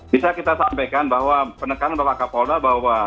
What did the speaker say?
bisa kita sampaikan bahwa penekanan bapak kapolda bahwa